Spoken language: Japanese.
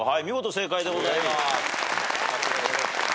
見事正解でございます。